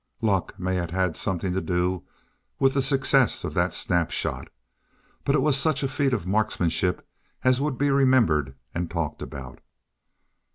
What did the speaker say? Luck may have had something to do with the success of that snapshot, but it was such a feat of marksmanship as would be remembered and talked about.